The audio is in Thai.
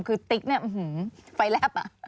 คือติ๊กไฟแล็บ